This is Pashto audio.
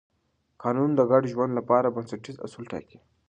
قانون د ګډ ژوند لپاره بنسټیز اصول ټاکي.